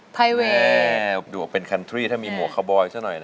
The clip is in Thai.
ระดุอกเป็นคันทรีย์ถ้ามีหัวคาบอยสักหน่อยนะ